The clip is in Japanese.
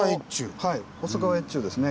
はい細川越中ですね。